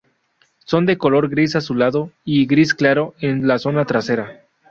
Son de color gris azulado, y gris claro en la zona trasera.